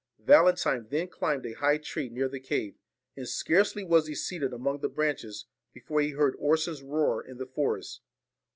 Valentine then climbed a high tree near the cave ; and scarcely was he seated among the branches, before he heard Orson's roar in the forest.